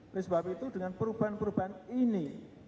oleh sebab itu dengan perubahan perubahan ini